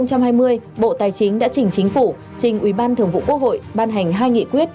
năm hai nghìn hai mươi bộ tài chính đã chỉnh chính phủ trình ubthqh ban hành hai nghị quyết